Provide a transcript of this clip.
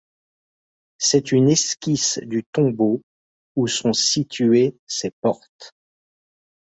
C'est une esquisse du tombeau où sont situées ses portes.